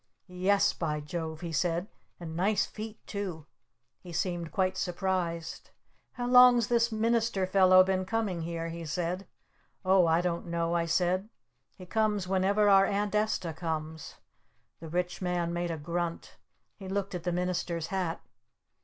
"Yes, by Jove," he said. "And nice feet, too!" He seemed quite surprised. "How long's this minister fellow been coming here?" he said. "Oh, I don't know," I said. "He comes whenever our Aunt Esta comes." The Rich Man made a grunt. He looked at the Minister's hat.